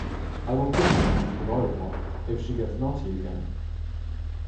I won't give your niece a lollipop if she gets naughty again.